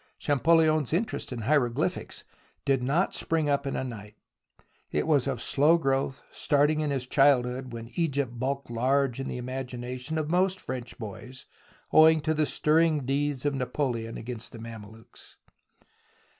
Cham poUion's interest in hieroglyphics did not spring up in a night ; it was of slow growth, starting in his childhood when Egypt bulked large in the imagina tions of most French boys owing to the stirring deeds of Napoleon against the Mamelukes.